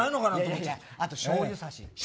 あとしょうゆさし。